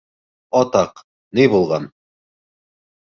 Атаҡ, ни булған?